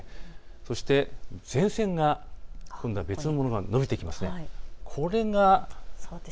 そして前線が、今度は別のものが延びてきます。